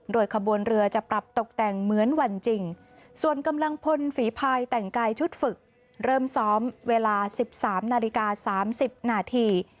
โดยขบวนเรือจะปรับตกแต่งเหมือนวันจริงส่วนกำลังพลฝีภายแต่งกายชุดฝึกเริ่มซ้อมเวลา๑๓นาฬิกา๓๐นาที